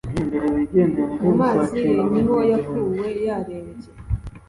mu mazi ye niho yakuwe yarembye